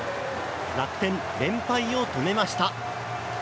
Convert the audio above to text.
楽天、連敗を止めました。